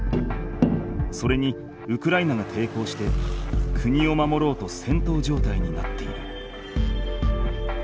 それにウクライナがていこうして国を守ろうとせんとう状態になっている。